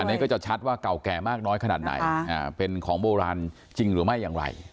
อันนี้ก็จะชัดว่าเก่าแก่มากน้อยขนาดไหนเป็นของโบราณจริงหรือไม่อย่างไร